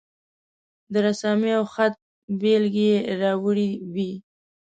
د رسامي او د خط بیلګې یې راوړې وې.